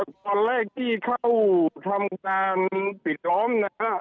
ตอนแรกที่เข้าทำการปิดล้อมนะครับ